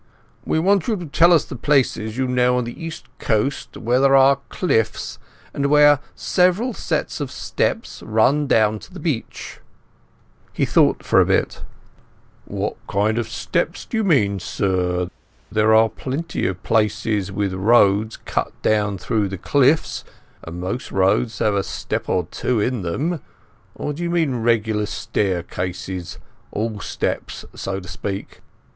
"We want you to tell us the places you know on the East Coast where there are cliffs, and where several sets of steps run down to the beach." He thought for a bit. "What kind of steps do you mean, sir? There are plenty of places with roads cut down through the cliffs, and most roads have a step or two in them. Or do you mean regular staircases—all steps, so to speak?"